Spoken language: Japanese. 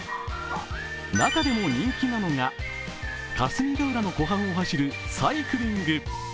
中でも人気なのが、霞ヶ浦の湖畔を走るサイクリング。